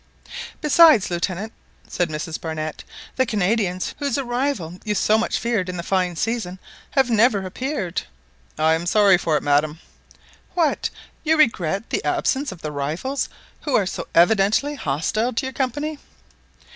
"Besides, Lieutenant," said Mrs Barnett, "the Canadians, whose arrival you so much feared in the fine season, have never appeared." "I am very sorry for it, madam." "What! you regret the absence of the rivals who are so evidently hostile to your Company?"